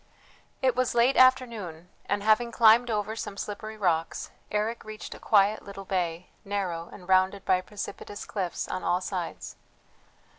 It was late afternoon; and, having climbed over some slippery rocks, Eric reached a quiet little bay, narrow, and rounded by precipitous cliffs on all sides.